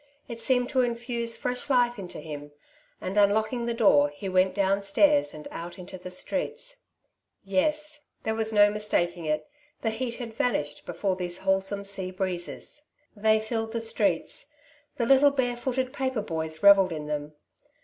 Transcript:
It seemed to infuse fresh life into him, and, unlock ing the door, he went downstairs and out into the streets. Yes, there was no mistaking it ; the heat had vanished before these wholesome sea breezes ; 74 " Two Sides to every Question^^ ■ they filled the streets ; the little bare footed paper boys revelled in them.